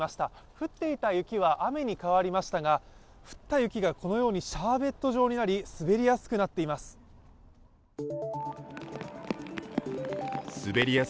降っていた雪は雨に変わりましたが降った雪がシャーベット状になり滑りやすくなっています。